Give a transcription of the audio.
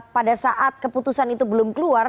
pada saat keputusan itu belum keluar